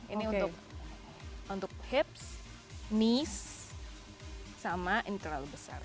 ini untuk hips miss sama ini terlalu besar